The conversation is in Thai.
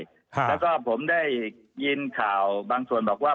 แล้วก็ผมได้ยินข่าวบางส่วนบอกว่า